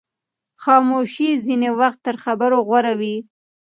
خاموشي ځینې وخت تر خبرو غوره وي.